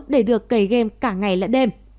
để được cầy game cả ngày lẫn đêm